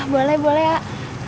boleh boleh ah